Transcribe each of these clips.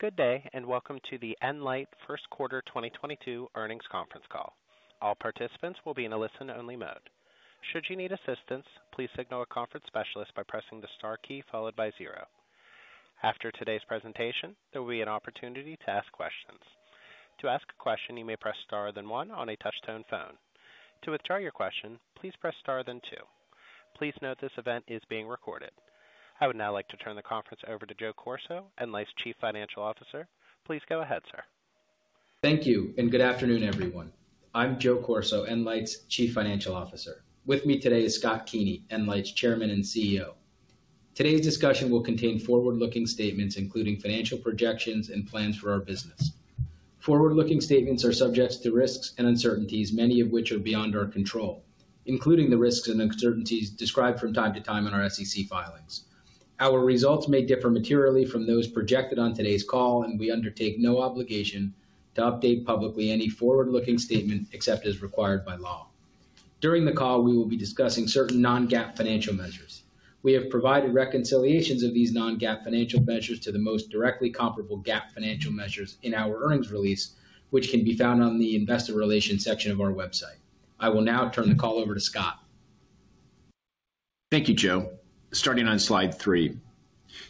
Good day, and welcome to the nLIGHT First Quarter 2022 Earnings Conference Call. All participants will be in a listen-only mode. Should you need assistance, please signal a conference specialist by pressing the star key followed by zero. After today's presentation, there will be an opportunity to ask questions. To ask a question, you may press star then one on a touchtone phone. To withdraw your question, please press star then two. Please note this event is being recorded. I would now like to turn the conference over to Joseph Corso, nLIGHT's Chief Financial Officer. Please go ahead, sir. Thank you, and good afternoon, everyone. I'm Joe Corso, nLIGHT's Chief Financial Officer. With me today is Scott Keeney, nLIGHT's Chairman and CEO. Today's discussion will contain forward-looking statements, including financial projections and plans for our business. Forward-looking statements are subject to risks and uncertainties, many of which are beyond our control, including the risks and uncertainties described from time to time in our SEC filings. Our results may differ materially from those projected on today's call, and we undertake no obligation to update publicly any forward-looking statement except as required by law. During the call, we will be discussing certain non-GAAP financial measures. We have provided reconciliations of these non-GAAP financial measures to the most directly comparable GAAP financial measures in our earnings release, which can be found on the Investor Relations section of our website. I will now turn the call over to Scott. Thank you, Joe. Starting on slide three.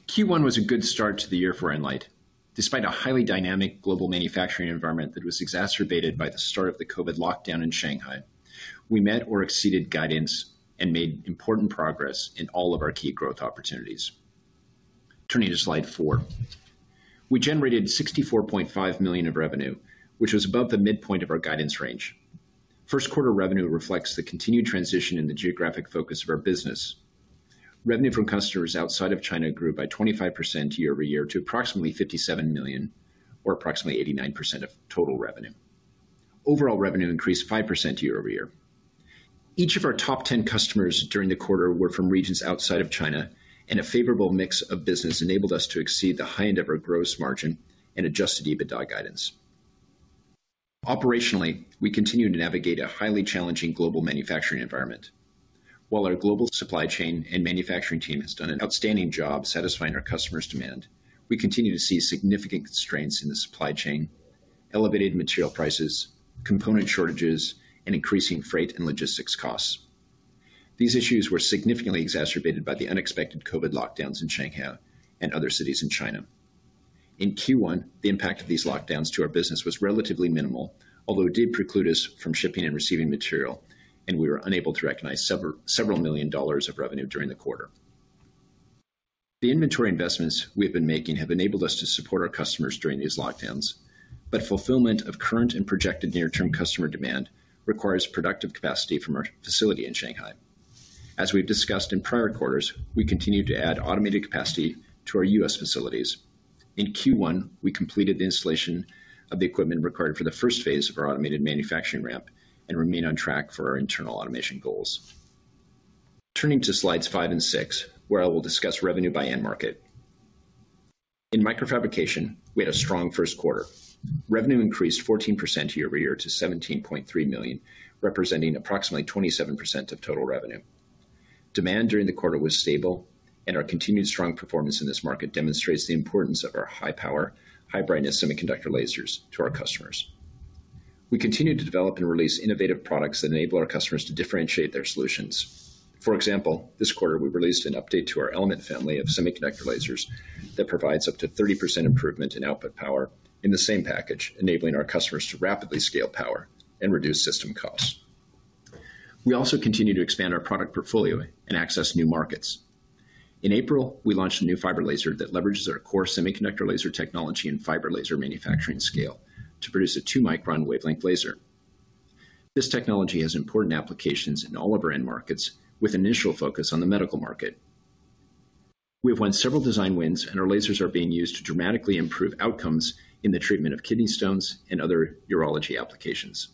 Q1 was a good start to the year for nLIGHT. Despite a highly dynamic global manufacturing environment that was exacerbated by the start of the COVID lockdown in Shanghai, we met or exceeded guidance and made important progress in all of our key growth opportunities. Turning to slide four. We generated $64.5 million of revenue, which was above the midpoint of our guidance range. First quarter revenue reflects the continued transition in the geographic focus of our business. Revenue from customers outside of China grew by 25% year-over-year to approximately $57 million or approximately 89% of total revenue. Overall revenue increased 5% year-over-year. Each of our top 10 customers during the quarter were from regions outside of China, and a favorable mix of business enabled us to exceed the high end of our gross margin and adjusted EBITDA guidance. Operationally, we continue to navigate a highly challenging global manufacturing environment. While our global supply chain and manufacturing team has done an outstanding job satisfying our customers' demand, we continue to see significant constraints in the supply chain, elevated material prices, component shortages, and increasing freight and logistics costs. These issues were significantly exacerbated by the unexpected COVID lockdowns in Shanghai and other cities in China. In Q1, the impact of these lockdowns to our business was relatively minimal, although it did preclude us from shipping and receiving material, and we were unable to recognize several million dollars of revenue during the quarter. The inventory investments we have been making have enabled us to support our customers during these lockdowns, but fulfillment of current and projected near-term customer demand requires productive capacity from our facility in Shanghai. As we've discussed in prior-quarters, we continue to add automated capacity to our U.S. facilities. In Q1, we completed the installation of the equipment required for the first phase of our automated manufacturing ramp and remain on track for our internal automation goals. Turning to slides five and six, where I will discuss revenue by end market. In microfabrication, we had a strong first quarter. Revenue increased 14% year-over-year to $17.3 million, representing approximately 27% of total revenue. Demand during the quarter was stable, and our continued strong performance in this market demonstrates the importance of our high-power, high-brightness semiconductor lasers to our customers. We continue to develop and release innovative products that enable our customers to differentiate their solutions. For example, this quarter, we released an update to our Element family of semiconductor lasers that provides up to 30% improvement in output power in the same package, enabling our customers to rapidly scale power and reduce system costs. We also continue to expand our product portfolio and access new markets. In April, we launched a new fiber laser that leverages our core semiconductor laser technology and fiber laser manufacturing scale to produce a 2 micron wavelength laser. This technology has important applications in all of our end markets, with initial focus on the medical market. We have won several design wins, and our lasers are being used to dramatically improve outcomes in the treatment of kidney stones and other urology applications.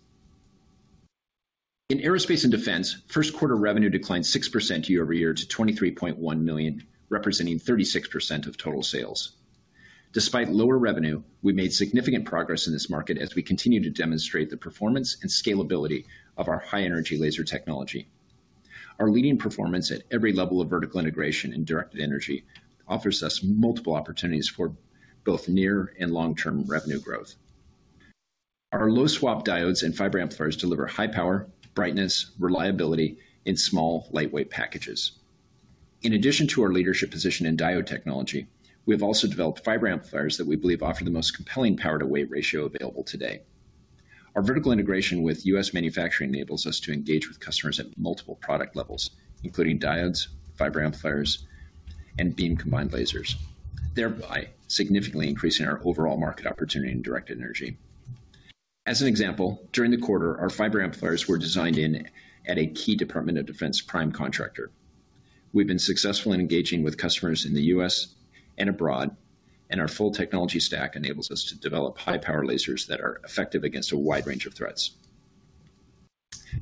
In aerospace and defense, first quarter revenue declined 6% year-over-year to $23.1 million, representing 36% of total sales. Despite lower revenue, we made significant progress in this market as we continue to demonstrate the performance and scalability of our high-energy laser technology. Our leading performance at every level of vertical integration and directed energy offers us multiple opportunities for both near- and long-term revenue growth. Our low SWaP diodes and fiber amplifiers deliver high-power, brightness, reliability in small, lightweight packages. In addition to our leadership position in diode technology, we have also developed fiber amplifiers that we believe offer the most compelling power-to-weight ratio available today. Our vertical integration with U.S. manufacturing enables us to engage with customers at multiple product levels, including diodes, fiber amplifiers, and beam combined lasers, thereby significantly increasing our overall market opportunity in directed energy. As an example, during the quarter, our fiber amplifiers were designed in at a key Department of Defense prime contractor. We've been successful in engaging with customers in the U.S. and abroad, and our full technology stack enables us to develop high-power lasers that are effective against a wide range of threats.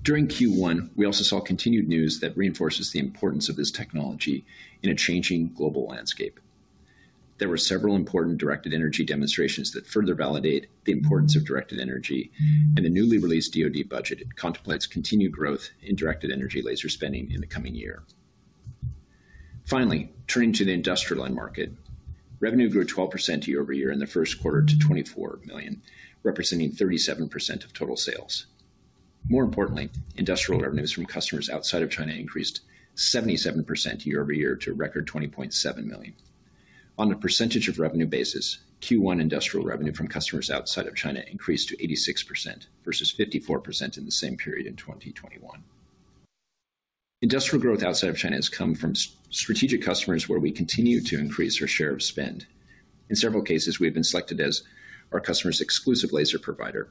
During Q1, we also saw continued news that reinforces the importance of this technology in a changing global landscape. There were several important directed energy demonstrations that further validate the importance of directed energy, and the newly released DoD budget contemplates continued growth in directed energy laser spending in the coming year. Finally, turning to the industrial end market. Revenue grew 12% year-over-year in the first quarter to $24 million, representing 37% of total sales. More importantly, industrial revenues from customers outside of China increased 77% year-over-year to a record $20.7 million. On a percentage of revenue basis, Q1 industrial revenue from customers outside of China increased to 86% versus 54% in the same period in 2021. Industrial growth outside of China has come from strategic customers where we continue to increase our share of spend. In several cases, we have been selected as our customer's exclusive laser provider.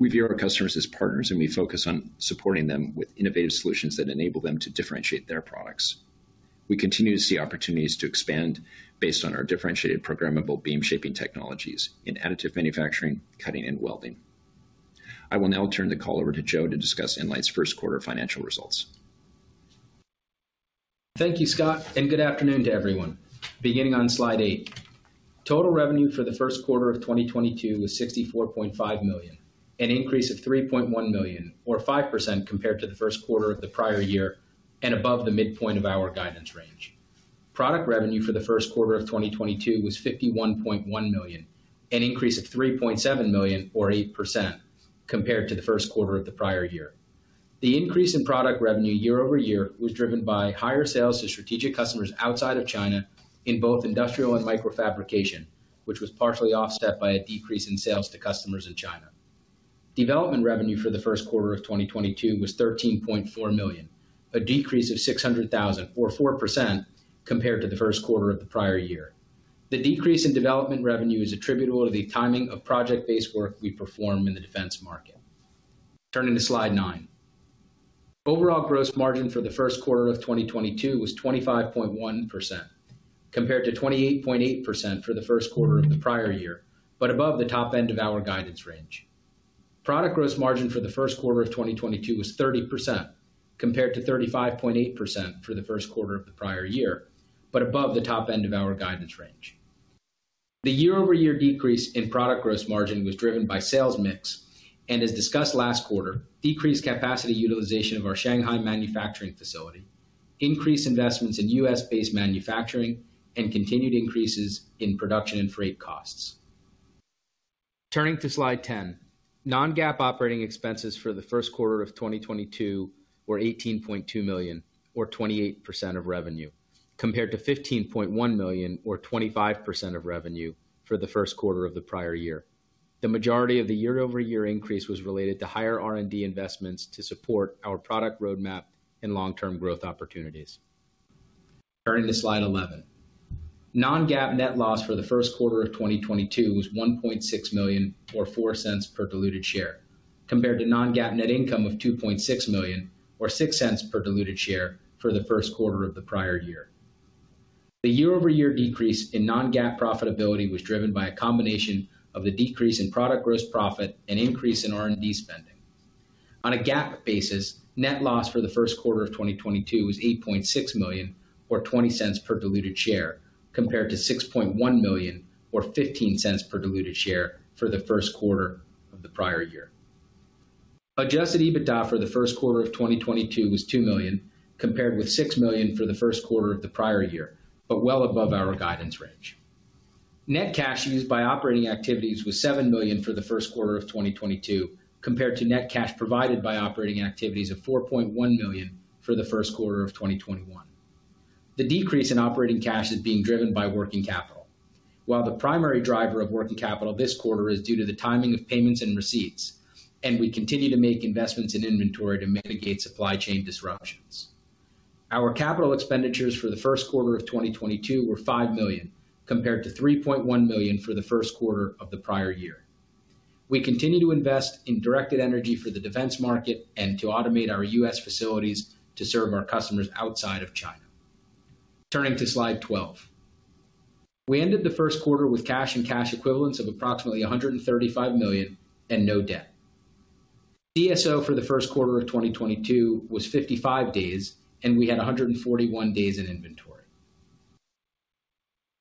We view our customers as partners, and we focus on supporting them with innovative solutions that enable them to differentiate their products. We continue to see opportunities to expand based on our differentiated programmable beam shaping technologies in additive manufacturing, cutting, and welding. I will now turn the call over to Joe to discuss nLIGHT's first quarter financial results. Thank you, Scott, and good afternoon to everyone. Beginning on slide eight. Total revenue for the first quarter of 2022 was $64.5 million, an increase of $3.1 million or 5% compared to the first quarter of the prior-year and above the mid-point of our guidance range. Product revenue for the first quarter of 2022 was $51.1 million, an increase of $3.7 million or 8% compared to the first quarter of the prior-year. The increase in product revenue year-over-year was driven by higher sales to strategic customers outside of China in both industrial and microfabrication, which was partially offset by a decrease in sales to customers in China. Development revenue for the first quarter of 2022 was $13.4 million, a decrease of $600,000 or 4% compared to the first quarter of the prior-year. The decrease in development revenue is attributable to the timing of project-based work we perform in the defense market. Turning to slide nine. Overall gross margin for the first quarter of 2022 was 25.1% compared to 28.8% for the first quarter of the prior-year, but above the top end of our guidance range. Product gross margin for the first quarter of 2022 was 30% compared to 35.8% for the first quarter of the prior-year, but above the top end of our guidance range. The year-over-year decrease in product gross margin was driven by sales mix and, as discussed last quarter, decreased capacity utilization of our Shanghai manufacturing facility, increased investments in U.S.-based manufacturing and continued increases in production and freight costs. Turning to slide 10. Non-GAAP operating expenses for the first quarter of 2022 were $18.2 million or 28% of revenue, compared to $15.1 million or 25% of revenue for the first quarter of the prior-year. The majority of the year-over-year increase was related to higher R&D investments to support our product roadmap and long-term growth opportunities. Turning to slide 11. Non-GAAP net loss for the first quarter of 2022 was $1.6 million or $0.04 per diluted share, compared to non-GAAP net income of $2.6 million or $0.06 per diluted share for the first quarter of the prior-year. The year-over-year decrease in non-GAAP profitability was driven by a combination of the decrease in product gross profit and increase in R&D spending. On a GAAP basis, net loss for the first quarter of 2022 was $8.6 million or $0.20 per diluted share, compared to $6.1 million or $0.15 per diluted share for the first quarter of the prior-year. Adjusted EBITDA for the first quarter of 2022 was $2 million, compared with $6 million for the first quarter of the prior-year, but well above our guidance range. Net cash used by operating activities was $7 million for the first quarter of 2022, compared to net cash provided by operating activities of $4.1 million for the first quarter of 2021. The decrease in operating cash is being driven by working capital. While the primary driver of working capital this quarter is due to the timing of payments and receipts, and we continue to make investments in inventory to mitigate supply chain disruptions. Our capital expenditures for the first quarter of 2022 were $5 million, compared to $3.1 million for the first quarter of the prior-year. We continue to invest in directed energy for the defense market and to automate our U.S. facilities to serve our customers outside of China. Turning to slide 12. We ended the first quarter with cash and cash equivalents of approximately $135 million and no debt. DSO for the first quarter of 2022 was 55 days, and we had 141 days in inventory.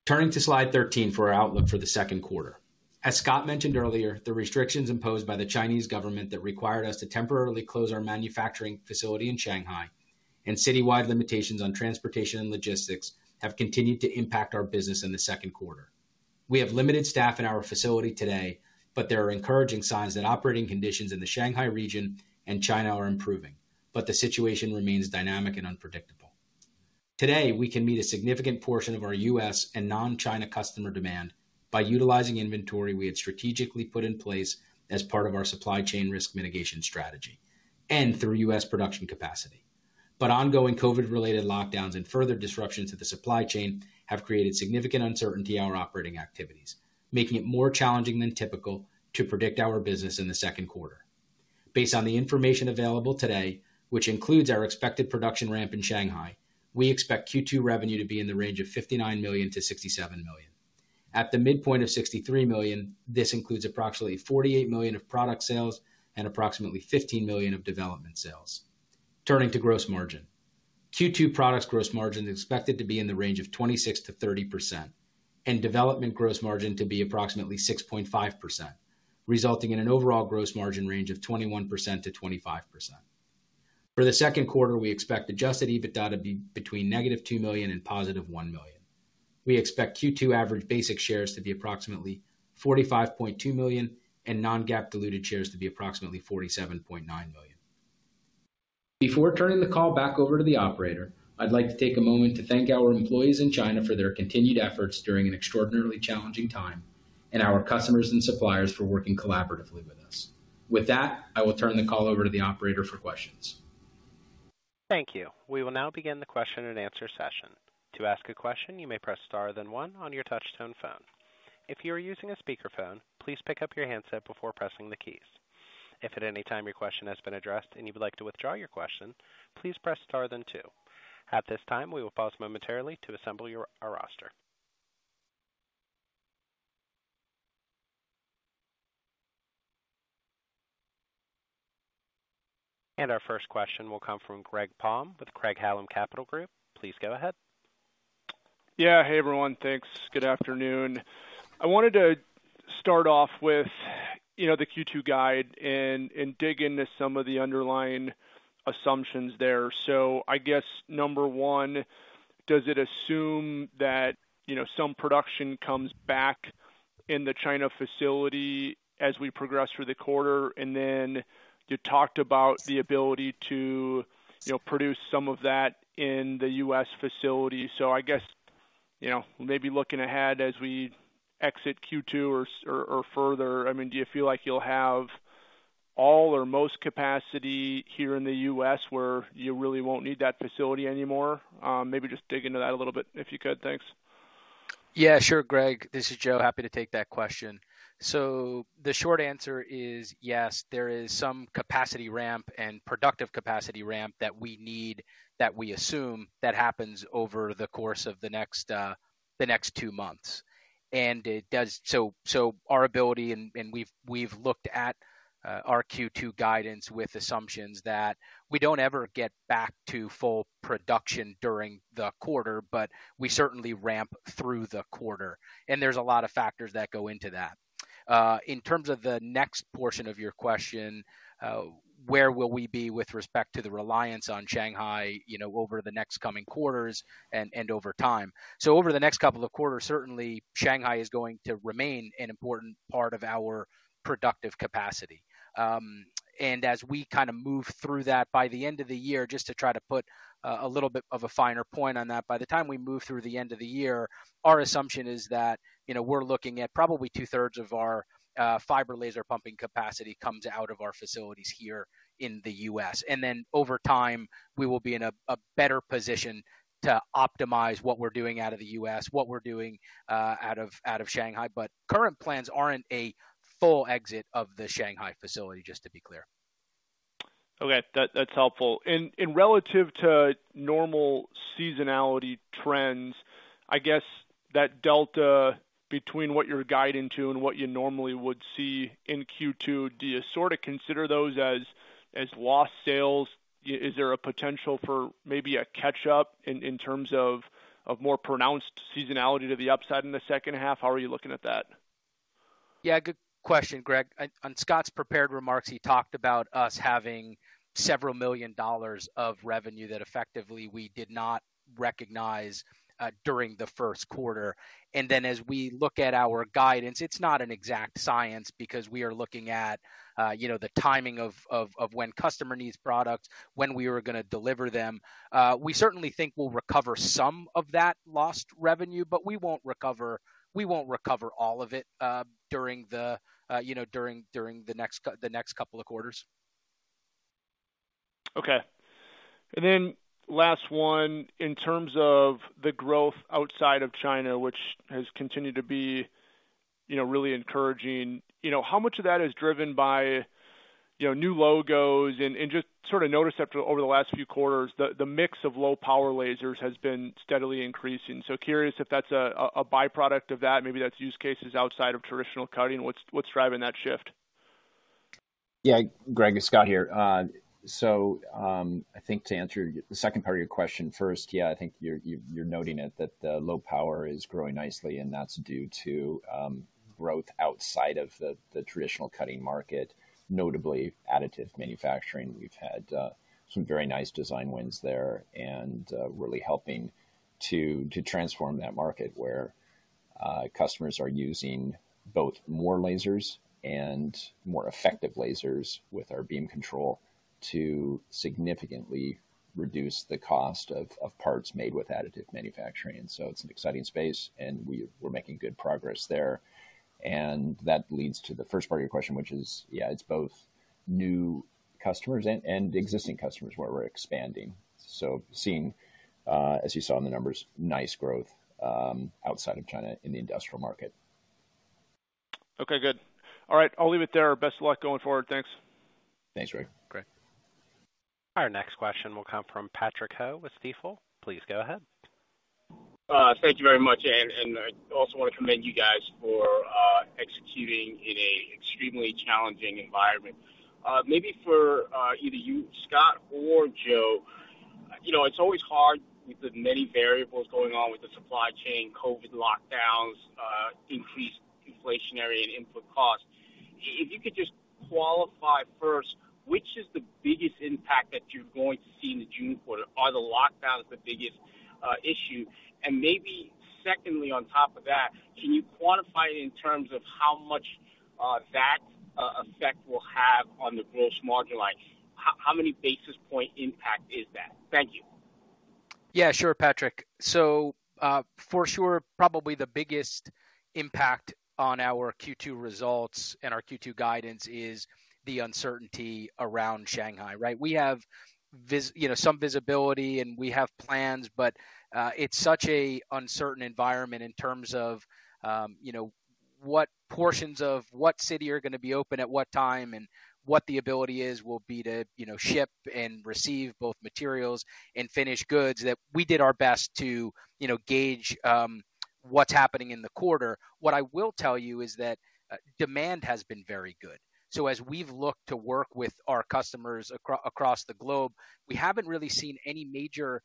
Turning to slide 13 for our outlook for the second quarter. As Scott mentioned earlier, the restrictions imposed by the Chinese government that required us to temporarily close our manufacturing facility in Shanghai and citywide limitations on transportation and logistics have continued to impact our business in the second quarter. We have limited staff in our facility today, but there are encouraging signs that operating conditions in the Shanghai region and China are improving, but the situation remains dynamic and unpredictable. Today, we can meet a significant portion of our U.S. and non-China customer demand by utilizing inventory we had strategically put in place as part of our supply chain risk mitigation strategy and through U.S. production capacity. Ongoing COVID-related lockdowns and further disruptions to the supply chain have created significant uncertainty on our operating activities, making it more challenging than typical to predict our business in the second quarter. Based on the information available today, which includes our expected production ramp in Shanghai, we expect Q2 revenue to be in the range of $59 million-$67 million. At the midpoint of $63 million, this includes approximately $48 million of product sales and approximately $15 million of development sales. Turning to gross margin. Q2 products gross margin is expected to be in the range of 26%-30% and development gross margin to be approximately 6.5%. Resulting in an overall gross margin range of 21%-25%. For the second quarter, we expect Adjusted EBITDA to be between -$2 million and +$1 million. We expect Q2 average basic shares to be approximately 45.2 million and non-GAAP diluted shares to be approximately 47.9 million. Before turning the call back over to the operator, I'd like to take a moment to thank our employees in China for their continued efforts during an extraordinarily challenging time, and our customers and suppliers for working collaboratively with us. With that, I will turn the call over to the operator for questions. Thank you. We will now begin the question and answer session. To ask a question, you may press star then one on your touchtone phone. If you are using a speakerphone, please pick up your handset before pressing the keys. If at any time your question has been addressed and you would like to withdraw your question, please press star then two. At this time, we will pause momentarily to assemble our roster. Our first question will come from Greg Palm with Craig-Hallum Capital Group. Please go ahead. Yeah. Hey, everyone. Thanks. Good afternoon. I wanted to start off with, you know, the Q2 guide and dig into some of the underlying assumptions there. I guess, number one, does it assume that, you know, some production comes back in the China facility as we progress through the quarter? You talked about the ability to, you know, produce some of that in the U.S. facility. I guess, you know, maybe looking ahead as we exit Q2 or further, I mean, do you feel like you'll have all or most capacity here in the U.S. where you really won't need that facility anymore? Maybe just dig into that a little bit, if you could. Thanks. Yeah, sure, Greg. This is Joe. Happy to take that question. The short answer is yes, there is some capacity ramp and productive capacity ramp that we need, that we assume that happens over the course of the next two months. Our ability, and we've looked at our Q2 guidance with assumptions that we don't ever get back to full production during the quarter, but we certainly ramp through the quarter. There's a lot of factors that go into that. In terms of the next portion of your question, where will we be with respect to the reliance on Shanghai, you know, over the next coming quarters and over time. Over the next couple of quarters, certainly Shanghai is going to remain an important part of our productive capacity. As we kind of move through that, by the end of the year, just to try to put a little bit of a finer point on that, by the time we move through the end of the year, our assumption is that, you know, we're looking at probably two-thirds of our fiber laser pumping capacity comes out of our facilities here in the U.S.. Then over time, we will be in a better position to optimize what we're doing out of the U.S., what we're doing out of Shanghai. Current plans aren't a full exit of the Shanghai facility, just to be clear. Okay. That's helpful. In relation to normal seasonality trends, I guess that delta between what you're guiding to and what you normally would see in Q2, do you sort of consider those as lost sales? Is there a potential for maybe a catch-up in terms of more pronounced seasonality to the upside in the second half? How are you looking at that? Yeah, good question, Greg. On Scott's prepared remarks, he talked about us having several million dollars of revenue that effectively we did not recognize during the first quarter. As we look at our guidance, it's not an exact science because we are looking at you know the timing of when customer needs product, when we are gonna deliver them. We certainly think we'll recover some of that lost revenue, but we won't recover all of it during the next couple of quarters. Okay. Last one, in terms of the growth outside of China, which has continued to be, you know, really encouraging, you know, how much of that is driven by, you know, new logos? Just sort of notice that over the last few quarters, the mix of low power lasers has been steadily increasing. Curious if that's a byproduct of that, maybe that's use cases outside of traditional cutting. What's driving that shift? Yeah. Greg, it's Scott here. So, I think to answer the second part of your question first, yeah, I think you're noting that the low power is growing nicely, and that's due to growth outside of the traditional cutting market, notably additive manufacturing. We've had some very nice design wins there and really helping to transform that market where customers are using both more lasers and more effective lasers with our beam control to significantly reduce the cost of parts made with additive manufacturing. So it's an exciting space, and we're making good progress there. That leads to the first part of your question, which is, yeah, it's both new customers and existing customers where we're expanding. Seeing, as you saw in the numbers, nice growth outside of China in the industrial market. Okay, good. All right. I'll leave it there. Best of luck going forward. Thanks. Thanks, Greg. Great. Our next question will come from Patrick Ho with Stifel. Please go ahead. Thank you very much. I also want to commend you guys for executing in an extremely challenging environment. Maybe for either you, Scott or Joe You know, it's always hard with the many variables going on with the supply chain, COVID lockdowns, increased inflationary and input costs. If you could just qualify first, which is the biggest impact that you're going to see in the June quarter? Are the lockdowns the biggest issue? Maybe secondly, on top of that, can you quantify it in terms of how much that effect will have on the gross margin line? How many basis point impact is that? Thank you. Yeah, sure, Patrick. For sure, probably the biggest impact on our Q2 results and our Q2 guidance is the uncertainty around Shanghai, right? We have, you know, some visibility, and we have plans, but it's an uncertain environment in terms of, you know, what portions of what city are gonna be open at what time and what the ability is, will be to, you know, ship and receive both materials and finished goods that we did our best to, you know, gauge what's happening in the quarter. What I will tell you is that demand has been very good. As we've looked to work with our customers across the globe, we haven't really seen any major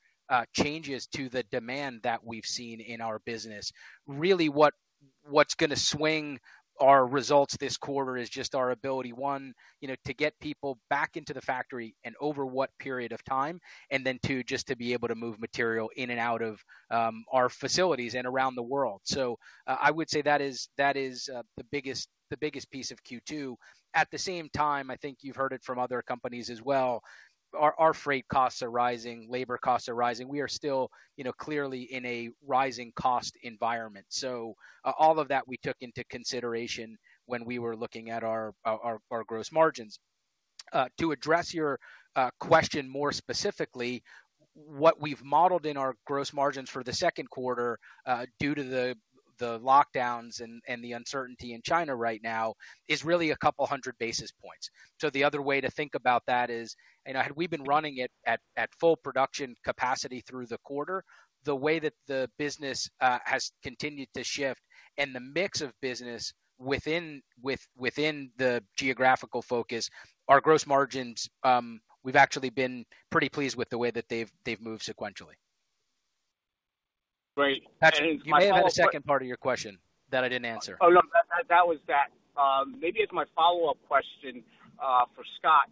changes to the demand that we've seen in our business. Really, what's gonna swing our results this quarter is just our ability, one, you know, to get people back into the factory and over what period of time. Then two, just to be able to move material in and out of our facilities and around the world. I would say that is the biggest piece of Q2. At the same time, I think you've heard it from other companies as well. Our freight costs are rising, labor costs are rising. We are still, you know, clearly in a rising cost environment. All of that we took into consideration when we were looking at our gross margins. To address your question more specifically, what we've modeled in our gross margins for the second quarter due to the lockdowns and the uncertainty in China right now is really a couple hundred basis points. The other way to think about that is, you know, had we been running it at full production capacity through the quarter, the way that the business has continued to shift and the mix of business within the geographical focus, our gross margins, we've actually been pretty pleased with the way that they've moved sequentially. Great. My follow-up. Patrick, you may have had a second part of your question that I didn't answer. Maybe as my follow-up question, for Scott.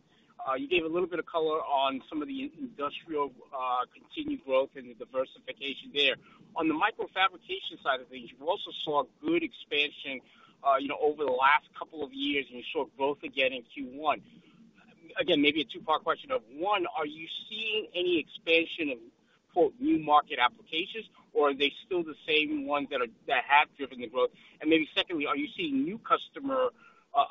You gave a little bit of color on some of the industrial continued growth and the diversification there. On the microfabrication side of things, we've also saw good expansion, you know, over the last couple of years, and you saw growth again in Q1. Again, maybe a two-part question of, one, are you seeing any expansion of, quote, "new market applications," or are they still the same ones that have driven the growth? And maybe secondly, are you seeing new customer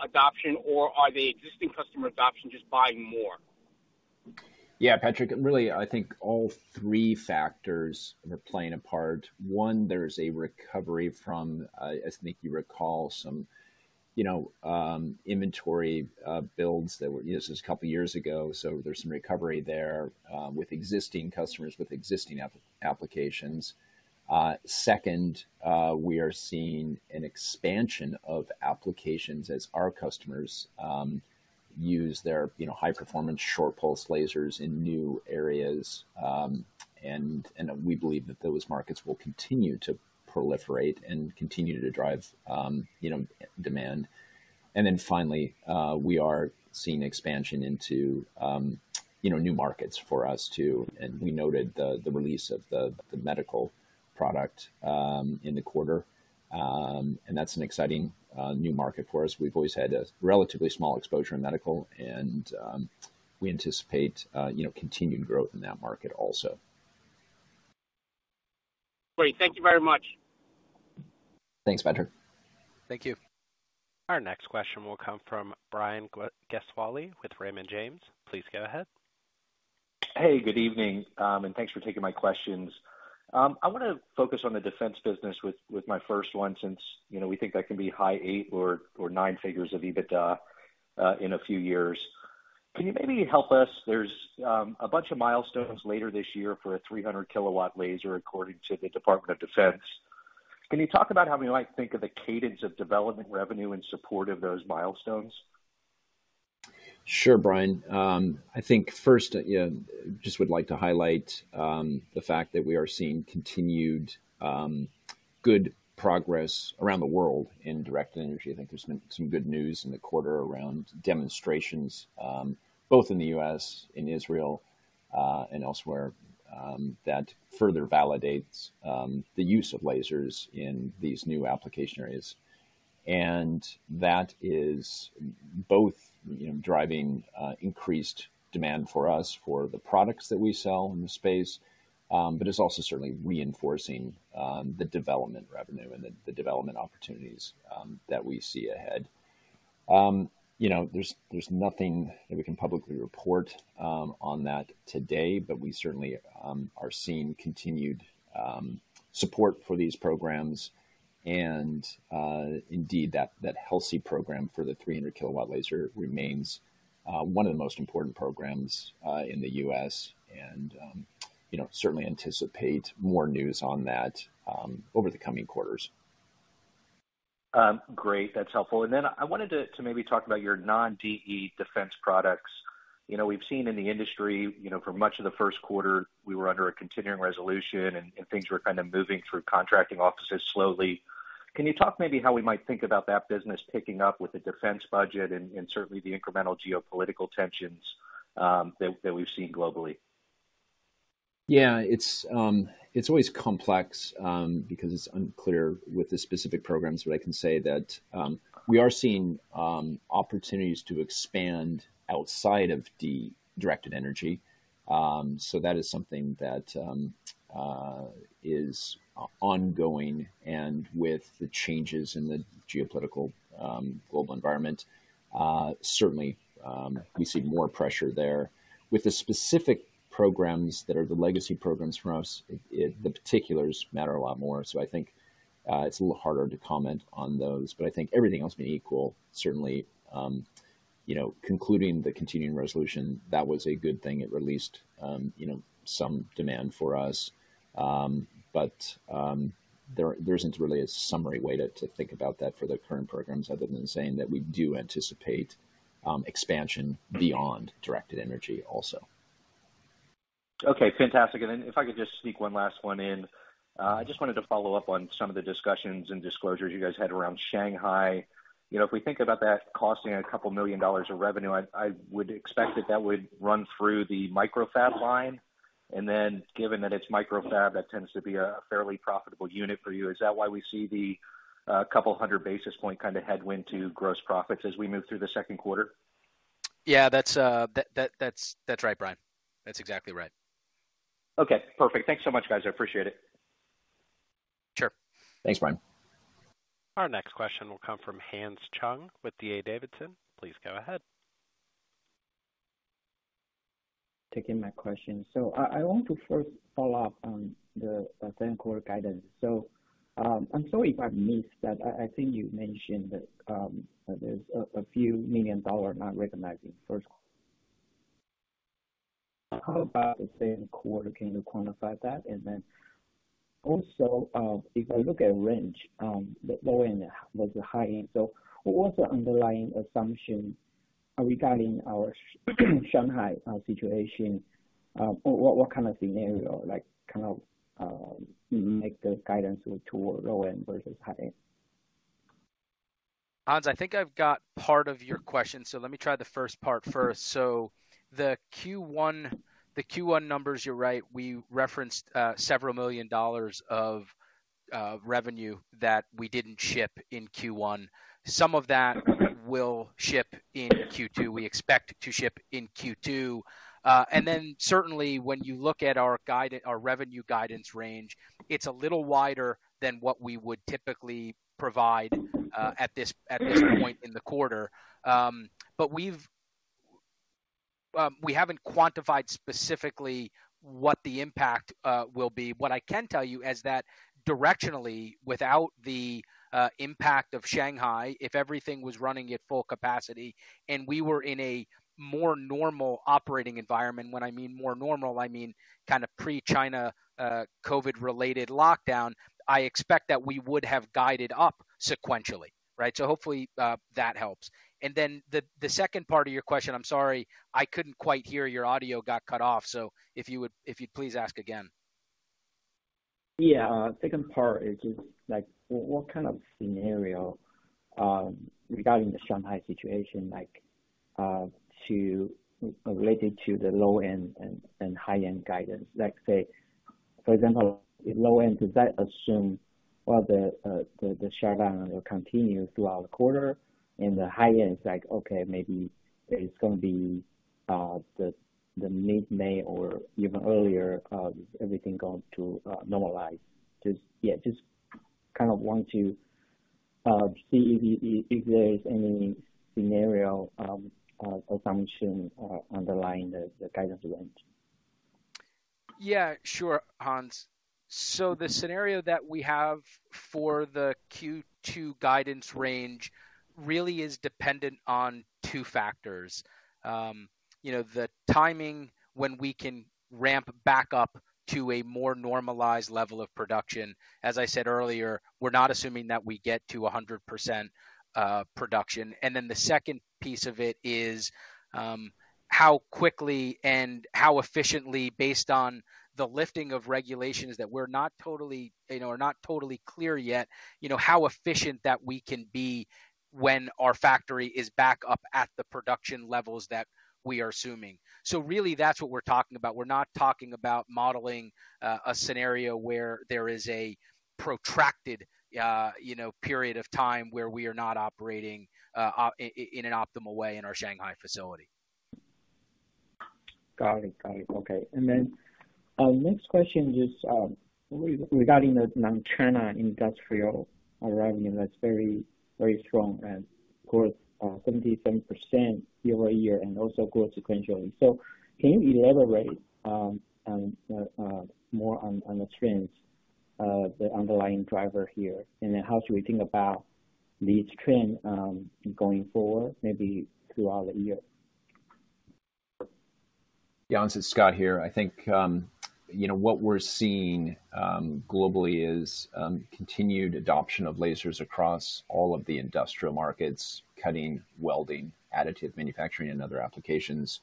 adoption, or are the existing customer adoption just buying more? Yeah, Patrick. Really, I think all three factors are playing a part. One, there's a recovery from, I think you recall some, you know, inventory builds that were used just a couple years ago. There's some recovery there, with existing customers with existing applications. Second, we are seeing an expansion of applications as our customers use their, you know, high-performance short pulse lasers in new areas. We believe that those markets will continue to proliferate and continue to drive, you know, demand. Finally, we are seeing expansion into, you know, new markets for us too. We noted the release of the medical product in the quarter. That's an exciting new market for us. We've always had a relatively small exposure in medical, and we anticipate, you know, continued growth in that market also. Great. Thank you very much. Thanks, Patrick. Thank you. Our next question will come from Brian Gesuale with Raymond James. Please go ahead. Hey, good evening. Thanks for taking my questions. I wanna focus on the defense business with my first one, since, you know, we think that can be high eight or nine figures of EBITDA in a few years. Can you maybe help us? There's a bunch of milestones later this year for a 300-kW laser, according to the Department of Defense. Can you talk about how we might think of the cadence of development revenue in support of those milestones? Sure, Brian. I think first, you know, just would like to highlight the fact that we are seeing continued good progress around the world in directed energy. I think there's been some good news in the quarter around demonstrations both in the U.S., in Israel, and elsewhere that further validates the use of lasers in these new application areas. That is both, you know, driving increased demand for us for the products that we sell in the space, but it's also certainly reinforcing the development revenue and the development opportunities that we see ahead. You know, there's nothing that we can publicly report on that today, but we certainly are seeing continued support for these programs. Indeed, that HELSI program for the 300-kW laser remains one of the most important programs in the U.S. You know, certainly anticipate more news on that over the coming quarters. Great. That's helpful. I wanted to maybe talk about your non-DE defense products. You know, we've seen in the industry, you know, for much of the first quarter, we were under a continuing resolution and things were kind of moving through contracting offices slowly. Can you talk maybe how we might think about that business picking up with the defense budget and certainly the incremental geopolitical tensions that we've seen globally? Yeah. It's always complex because it's unclear with the specific programs, but I can say that we are seeing opportunities to expand outside of the directed energy. That is something that is ongoing. With the changes in the geopolitical global environment, certainly we see more pressure there. With the specific programs that are the legacy programs from us, the particulars matter a lot more. I think it's a little harder to comment on those, but I think everything else being equal, certainly you know concluding the continuing resolution, that was a good thing. It released you know some demand for us. There isn't really a summary way to think about that for the current programs other than saying that we do anticipate expansion beyond directed energy also. Okay. Fantastic. Then if I could just sneak one last one in. I just wanted to follow-up on some of the discussions and disclosures you guys had around Shanghai. You know, if we think about that costing $2 million of revenue, I would expect that that would run through the micro fab line. Then given that it's micro fab, that tends to be a fairly profitable unit for you. Is that why we see the 200 basis points kind of headwind to gross profits as we move through the second quarter? Yeah. That's right, Brian. That's exactly right. Okay. Perfect. Thanks so much, guys. I appreciate it. Sure. Thanks, Brian. Our next question will come from Hans Chung with D.A. Davidson. Please go ahead. Taking my question. I want to first follow-up on the same quarter guidance. I'm sorry if I missed that. I think you mentioned that there's a few million dollars not recognizing first. How about the same quarter? Can you quantify that? Then also, if I look at range, the low end versus high-end. What's the underlying assumption regarding our Shanghai situation? What kind of scenario, like, kind of, make this guidance to low end versus high-end? Hans, I think I've got part of your question, so let me try the first part first. The Q1 numbers, you're right, we referenced several million dollars of revenue that we didn't ship in Q1. Some of that we'll ship in Q2. We expect to ship in Q2. Certainly when you look at our revenue guidance range, it's a little wider than what we would typically provide at this point in the quarter. But we haven't quantified specifically what the impact will be. What I can tell you is that directionally, without the impact of Shanghai, if everything was running at full capacity and we were in a more normal operating environment, when I mean more normal, I mean kind of pre-China COVID-related lockdown, I expect that we would have guided up sequentially, right? Hopefully that helps. The second part of your question, I'm sorry, I couldn't quite hear. Your audio got cut off, so if you'd please ask again. Yeah. Second part is just, like, what kind of scenario regarding the Shanghai situation, like, related to the low end and high-end guidance? Let's say, for example, low-end, does that assume, well, the shutdown will continue throughout the quarter and the high-end is like, okay, maybe it's gonna be the mid-May or even earlier, everything going to normalize. Just, yeah, just kind of want to see if there is any scenario assumption underlying the guidance range. Yeah, sure, Hans. The scenario that we have for the Q2 guidance range really is dependent on two factors. You know, the timing when we can ramp back up to a more normalized level of production. As I said earlier, we're not assuming that we get to 100% production. Then the second piece of it is, how quickly and how efficiently based on the lifting of regulations that we're not totally, you know, are not totally clear yet, you know, how efficient that we can be when our factory is back up at the production levels that we are assuming. Really that's what we're talking about. We're not talking about modeling a scenario where there is a protracted, you know, period of time where we are not operating in an optimal way in our Shanghai facility. Got it. Okay. Next question is regarding the non-China industrial revenue that's very, very strong and grew 77% year-over-year and also grew sequentially. Can you elaborate more on the trends, the underlying driver here? How should we think about the trend going forward maybe throughout the year? Hans, it's Scott here. I think, you know, what we're seeing globally is continued adoption of lasers across all of the industrial markets, cutting, welding, additive manufacturing and other applications.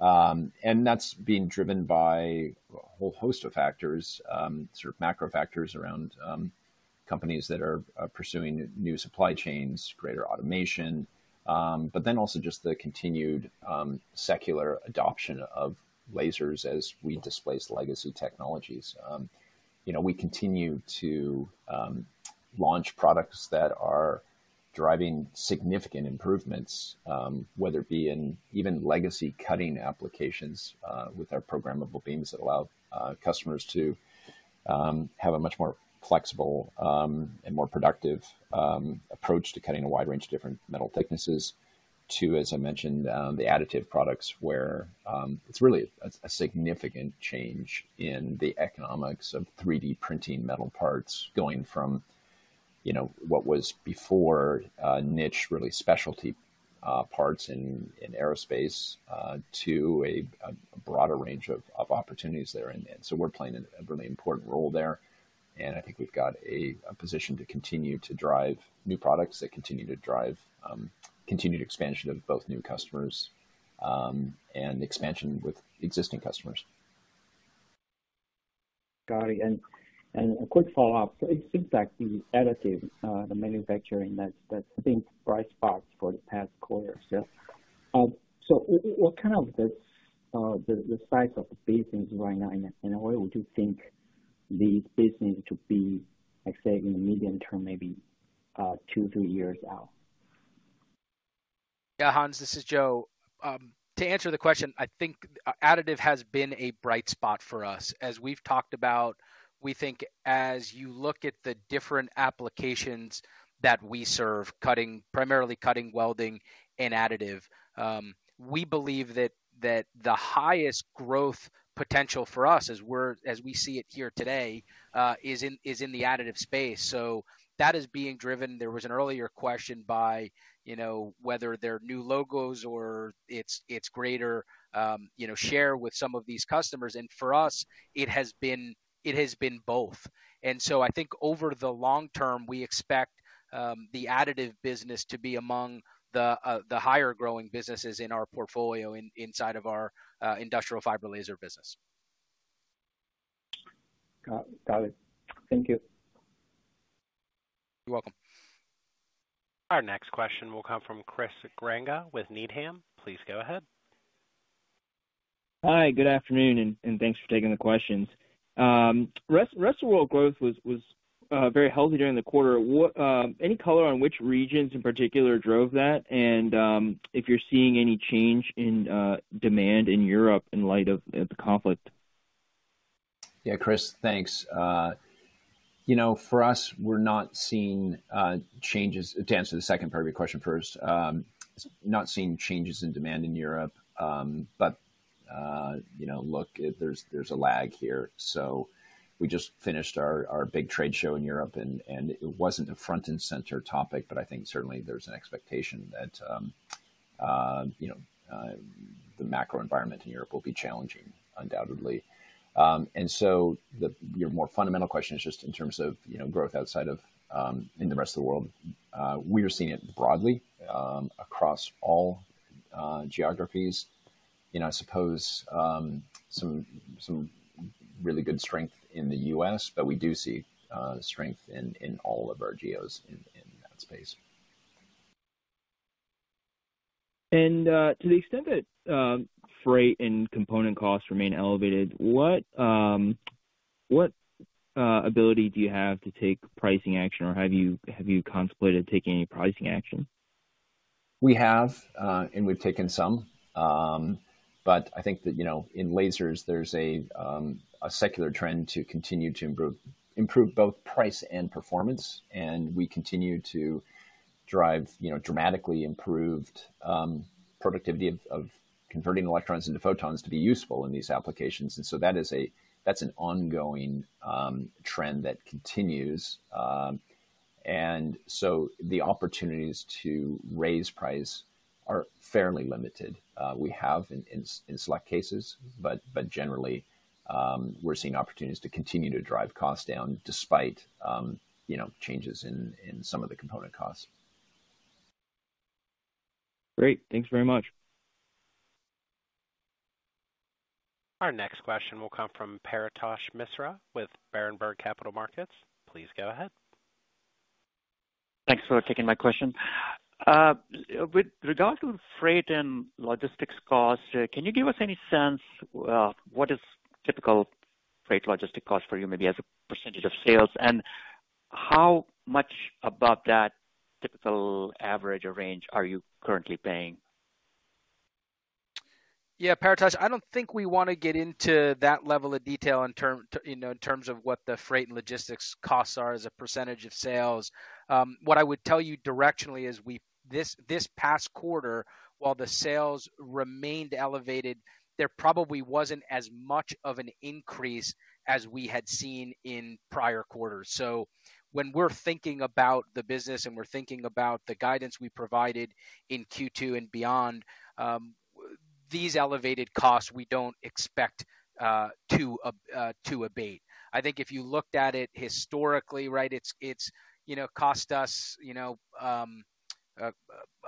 That's being driven by a whole host of factors, sort of macro factors around companies that are pursuing new supply chains, greater automation, but then also just the continued secular adoption of lasers as we displace legacy technologies. You know, we continue to launch products that are driving significant improvements, whether it be in even legacy cutting applications, with our programmable beams that allow customers to have a much more flexible and more productive approach to cutting a wide range of different metal thicknesses. So, as I mentioned, the additive products, where it's really a significant change in the economics of 3D printing metal parts going from, you know, what was before, niche, really specialty, parts in aerospace, to a broader range of opportunities there. We're playing a really important role there, and I think we've got a position to continue to drive new products that continue to drive continued expansion of both new customers, and expansion with existing customers. Got it. A quick follow-up. It seems like the additive manufacturing that's been bright spots for the past-quarter. What kind of the size of the business right now, and where would you think the business to be, let's say in the medium-term, maybe two, three years out? Yeah, Hans, this is Joe. To answer the question, I think additive has been a bright spot for us. As we've talked about, we think as you look at the different applications that we serve, primarily cutting, welding and additive, we believe that the highest growth potential for us as we see it here today is in the additive space. So that is being driven, there was an earlier question by, you know, whether they're new logos or it's greater, you know, share with some of these customers. And for us, it has been both. I think over the long-term, we expect the additive business to be among the higher growing businesses in our portfolio inside of our industrial fiber laser business. Got it. Thank you. You're welcome. Our next question will come from Jim Ricchiuti with Needham. Please go ahead. Hi, good afternoon, and thanks for taking the questions. Rest of world growth was very healthy during the quarter. Any color on which regions in particular drove that? If you're seeing any change in demand in Europe in light of the conflict. Yeah, Chris, thanks. You know, for us, we're not seeing changes. To answer the second part of your question first, not seeing changes in demand in Europe. You know, look, there's a lag here. We just finished our big trade show in Europe and it wasn't a front and center topic, but I think certainly there's an expectation that you know, the macro environment in Europe will be challenging undoubtedly. Your more fundamental question is just in terms of, you know, growth outside of in the rest of the world. We are seeing it broadly across all geographies. You know, I suppose some really good strength in the U.S., but we do see strength in all of our geos in that space. To the extent that freight and component costs remain elevated, what ability do you have to take pricing action or have you contemplated taking any pricing action? We have and we've taken some. But I think that, you know, in lasers there's a secular trend to continue to improve both price and performance, and we continue to drive, you know, dramatically improved productivity of converting electrons into photons to be useful in these applications. That is an ongoing trend that continues. The opportunities to raise price are fairly limited. We have in select cases, but generally, we're seeing opportunities to continue to drive costs down despite, you know, changes in some of the component costs. Great. Thanks very much. Our next question will come from Paretosh Misra with Berenberg Capital Markets. Please go ahead. Thanks for taking my question. With regard to freight and logistics costs, can you give us any sense, what is typical freight logistics cost for you maybe as a percentage of sales? How much above that typical average or range are you currently paying? Yeah, Paretosh, I don't think we wanna get into that level of detail, you know, in terms of what the freight and logistics costs are as a percentage of sales. What I would tell you directionally is this past-quarter, while the sales remained elevated, there probably wasn't as much of an increase as we had seen in prior-quarters. When we're thinking about the business and we're thinking about the guidance we provided in Q2 and beyond. These elevated costs we don't expect to abate. I think if you looked at it historically, right, it's, you know, cost us, you know,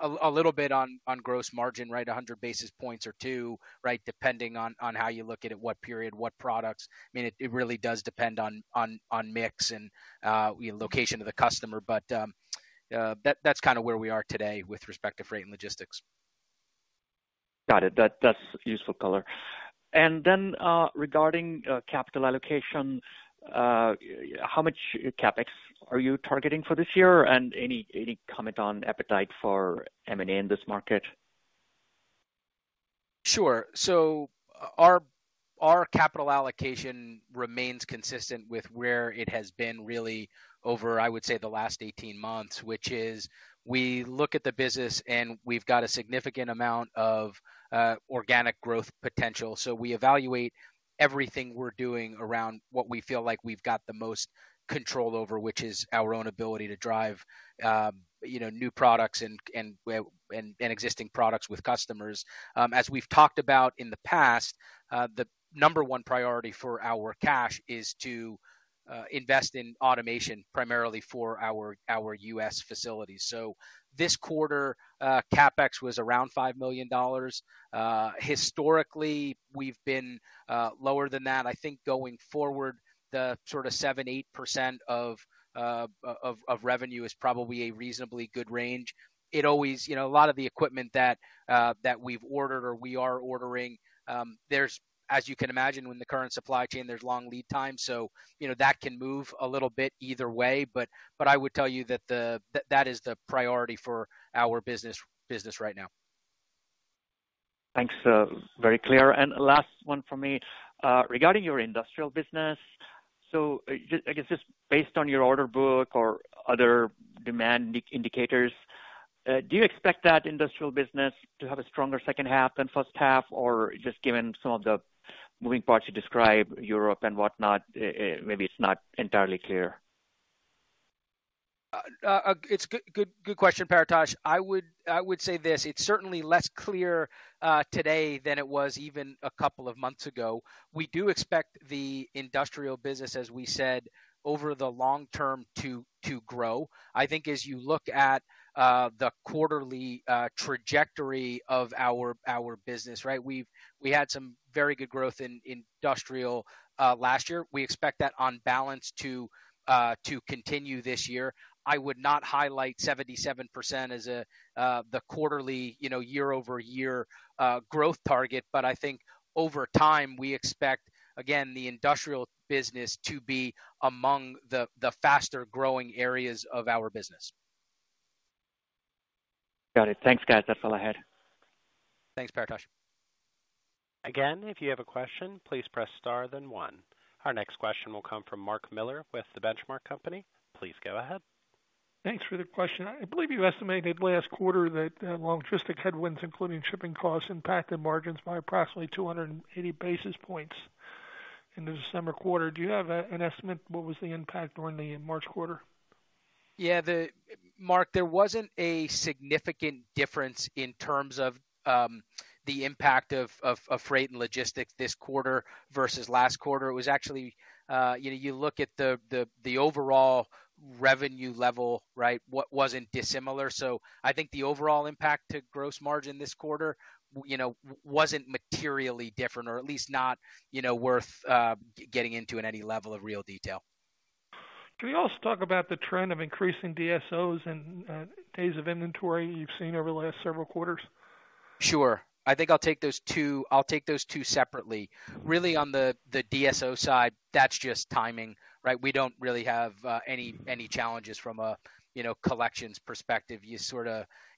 a little bit on gross margin, right? 100 basis points or 200, right? Depending on how you look at it, what period, what products. I mean, it really does depend on mix and, you know, location of the customer. That's kind of where we are today with respect to freight and logistics. Got it. That's useful color. Regarding capital allocation, how much CapEx are you targeting for this year? Any comment on appetite for M&A in this market? Sure. Our capital allocation remains consistent with where it has been really over, I would say, the last 18 months, which is we look at the business, and we've got a significant amount of organic growth potential. We evaluate everything we're doing around what we feel like we've got the most control over, which is our own ability to drive, you know, new products and existing products with customers. As we've talked about in the past, the number one priority for our cash is to invest in automation primarily for our U.S. facilities. This quarter, CapEx was around $5 million. Historically, we've been lower than that. I think going forward, the sort of 7%-8% of revenue is probably a reasonably good range. It always You know, a lot of the equipment that we've ordered or we are ordering, as you can imagine, with the current supply chain, there's long lead time, so, you know, that can move a little bit either way. I would tell you that is the priority for our business right now. Thanks. Very clear. Last one from me. Regarding your industrial business. I guess just based on your order book or other demand indicators, do you expect that industrial business to have a stronger second half than first half, or just given some of the moving parts you described, Europe and whatnot, maybe it's not entirely clear? It's a good question, Paretosh. I would say this: It's certainly less clear today than it was even a couple of months ago. We do expect the industrial business, as we said, over the long-term to grow. I think as you look at the quarterly trajectory of our business, right? We had some very good growth in industrial last year. We expect that on balance to continue this year. I would not highlight 77% as the quarterly, you know, year-over-year growth target. I think over time, we expect, again, the industrial business to be among the faster-growing areas of our business. Got it. Thanks, guys. That's all I had. Thanks, Paretosh. Again, if you have a question, please press star then one. Our next question will come from Mark Miller with The Benchmark Company. Please go ahead. Thanks for the question. I believe you estimated last quarter that logistics headwinds, including shipping costs, impacted margins by approximately 280 basis points in the December quarter. Do you have an estimate what was the impact during the March quarter? Yeah. Mark, there wasn't a significant difference in terms of the impact of freight and logistics this quarter versus last quarter. It was actually, you know, you look at the overall revenue level, right? Wasn't dissimilar. I think the overall impact to gross margin this quarter, you know, wasn't materially different or at least not, you know, worth getting into in any level of real detail. Can we also talk about the trend of increasing DSOs and days of inventory you've seen over the last several quarters? Sure. I think I'll take those two separately. Really on the DSO side, that's just timing, right? We don't really have any challenges from a you know, collections perspective. You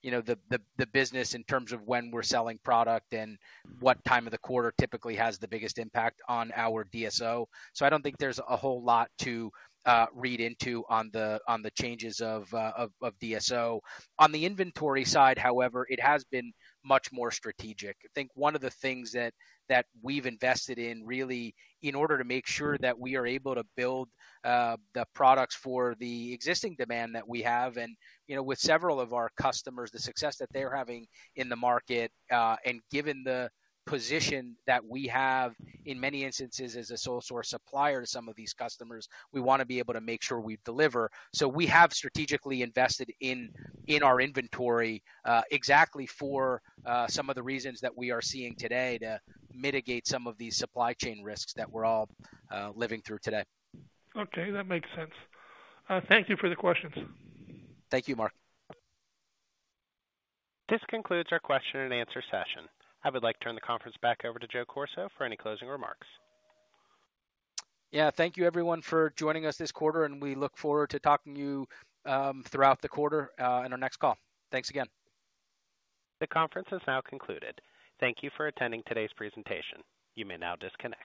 know, the business in terms of when we're selling product and what time of the quarter typically has the biggest impact on our DSO. I don't think there's a whole lot to read into on the changes of DSO. On the inventory side, however, it has been much more strategic. I think one of the things that we've invested in really in order to make sure that we are able to build the products for the existing demand that we have and, you know, with several of our customers, the success that they're having in the market and given the position that we have in many instances as a sole source supplier to some of these customers, we wanna be able to make sure we deliver. We have strategically invested in our inventory exactly for some of the reasons that we are seeing today to mitigate some of these supply chain risks that we're all living through today. Okay. That makes sense. Thank you for the questions. Thank you, Mark. This concludes our question and answer session. I would like to turn the conference back over to Joseph Corso for any closing remarks. Yeah. Thank you everyone for joining us this quarter, and we look forward to talking to you, throughout the quarter, on our next call. Thanks again. The conference has now concluded. Thank you for attending today's presentation. You may now disconnect.